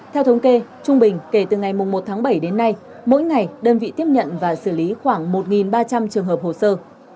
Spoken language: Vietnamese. theo thống kê trung bình kể từ ngày một tháng bảy đến nay mỗi ngày đơn vị tiếp nhận và xử lý khoảng một ba trăm linh trường hợp hồ sơ